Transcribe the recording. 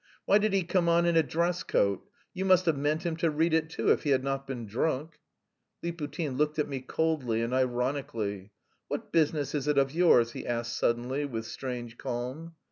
Why did he come on in a dress coat? You must have meant him to read it, too, if he had not been drunk?" Liputin looked at me coldly and ironically. "What business is it of yours?" he asked suddenly with strange calm.